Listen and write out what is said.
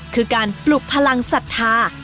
คือการปลุกพลังศรัทธา